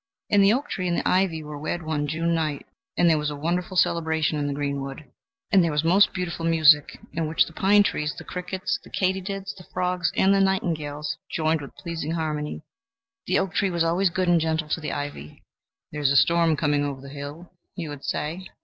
And the oak tree and the ivy were wed one June night, and there was a wonderful celebration in the greenwood; and there was most beautiful music, in which the pine trees, the crickets, the katydids, the frogs, and the nightingales joined with pleasing harmony. The oak tree was always good and gentle to the ivy. "There is a storm coming over the hills," he would say.